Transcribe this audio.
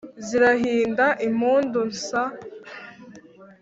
zirahinda impundu nsa